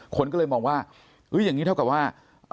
คนก็เลยมองว่าอย่างนี้เท่ากับว่า